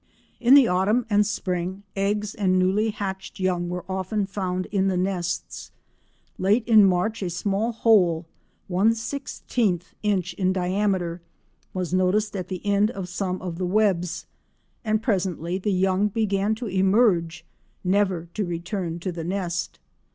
In the autumn and spring, eggs and newly hatched young were often found in the nests. Late in March a small hole, 1/16 inch in diameter, was noticed at the end of some of the webs, and presently the young began to emerge—never to return to the nest.